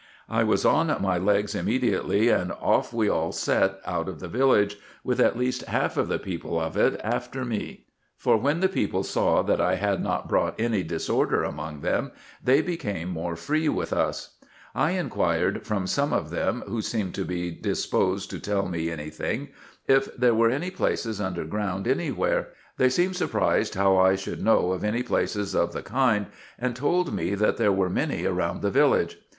I was on my legs immediately, and off IN EGYPT, NUBIA, &c. 421 we all set out of the village, with at least half of the people of it after me ; for when the people saw that I had not brought any disorder among them, they became more free with us. I inquired from some of them, who seemed to be disposed to tell me any thing, if there were any places under ground any where : they seemed surprised how I should know of any places of the kind, and told me that there were many round the village.